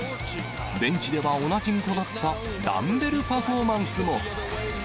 ベンチではおなじみとなったダンベルパフォーマンスも。